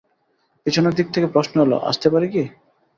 পিছনের দিক থেকে প্রশ্ন এল, আসতে পারি কি।